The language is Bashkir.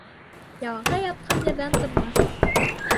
Ялағай ятҡан ерҙән тырнар.